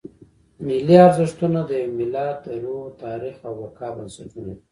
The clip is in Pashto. ملي ارزښتونه د یو ملت د روح، تاریخ او بقا بنسټونه دي.